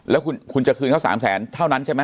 แล้วคุณจะคืนเขา๓แสนเท่านั้นใช่ไหม